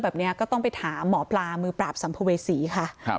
แบบนี้ก็ต้องไปถามหมอปลามือปราบสัมภเวษีค่ะ